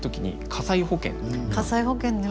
火災保険ね